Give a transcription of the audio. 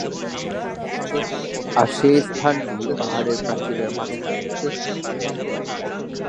আর সে স্থানটি পাহাড়ের প্রাচীরের মাঝখানে।